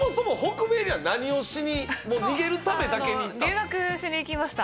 留学しに行きました。